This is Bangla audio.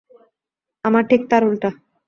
আমার ঠিক তার উলটা।